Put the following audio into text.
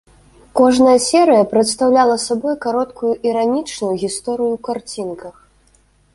Кожная серыя прадстаўляла сабой кароткую іранічную гісторыю ў карцінках.